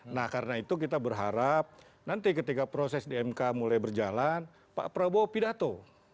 nah karena itu kita berharap nanti ketika proses di mk mulai berjalan pak prabowo pidato